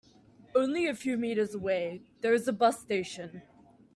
Only a few meters away there is a bus station.